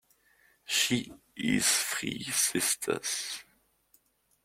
She is free, sisters.